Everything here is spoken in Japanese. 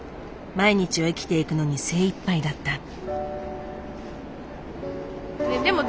毎日を生きていくのに精いっぱいだった。